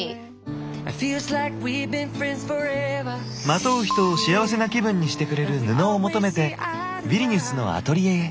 まとう人を幸せな気分にしてくれる布を求めてヴィリニュスのアトリエへ。